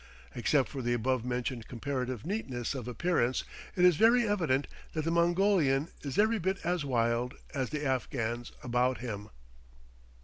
Except for the above mentioned comparative neatness of appearance, it is very evident that the Mongolian is every bit as wild as the Afghans about him.